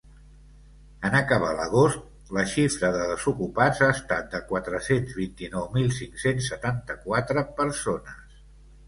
En acabar l’agost, la xifra de desocupats ha estat de quatre-cents vint-i-nou mil cinc-cents setanta-quatre persones.